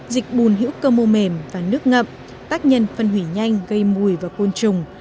dịch bùn hữu cơ mô mềm và nước ngậm tác nhân phân hủy nhanh gây mùi và côn trùng